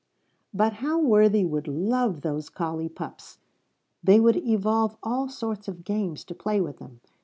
But how Worthie would love those collie pups! They would evolve all sorts of games to play with them.